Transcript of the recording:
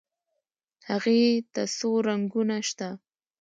هغې ته څو رنګونه شته.